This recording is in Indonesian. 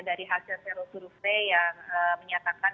dari hasil perusahaan yang menyatakan sembilan puluh sembilan